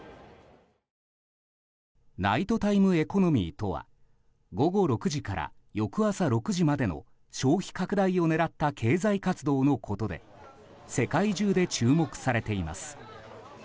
ナイトタイムエコノミーとは午後６時から翌朝６時までの消費拡大を狙った経済活動のことで世界中で注目されています。